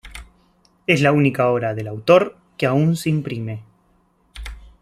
Es la única obra del autor que aún se imprime.